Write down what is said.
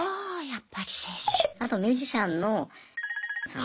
あとミュージシャンのさん。